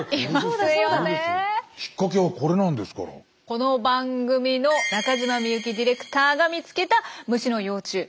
この番組の中島未由希ディレクターが見つけた虫の幼虫。